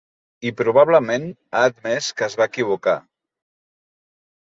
I, probablement, ha admès que es va equivocar.